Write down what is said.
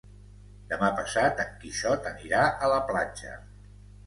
Demà passat en Quixot anirà a la platja.